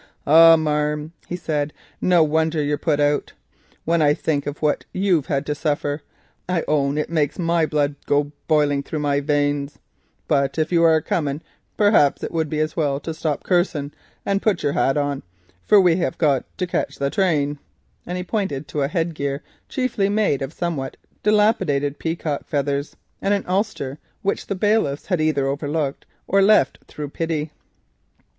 "Ah, marm," he said, "no wonder you're put about. When I think of what you've had to suffer, I own it makes my blood go a biling through my veins. But if you is a coming, mayhap it would be as well to stop cursing of and put your hat on, and we hev got to catch the train." And he pointed to a head gear chiefly made of somewhat dilapidated peacock feathers, and an ulster which the bailiffs had either overlooked or left through pity.